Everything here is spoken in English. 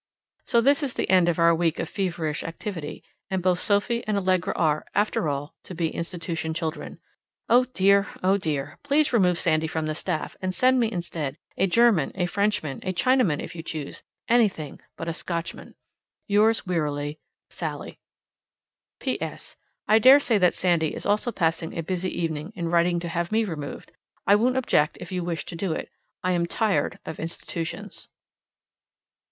So this is the end of our week of feverish activity; and both Sophie and Allegra are, after all, to be institution children. Oh dear! oh dear! Please remove Sandy from the staff, and send me, instead, a German, a Frenchman, a Chinaman, if you choose anything but a Scotchman. Yours wearily, SALLIE. P.S. I dare say that Sandy is also passing a busy evening in writing to have me removed. I won't object if you wish to do it. I am tired of institutions.